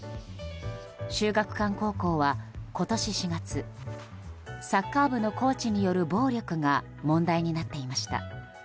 秀岳館高校は今年４月サッカー部のコーチによる暴力が問題になっていました。